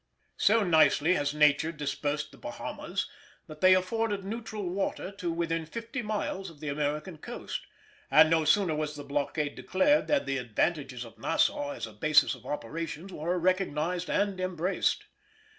So nicely has Nature dispersed the Bahamas that they afforded neutral water to within fifty miles of the American coast, and no sooner was the blockade declared than the advantages of Nassau as a basis of operations were recognised and embraced.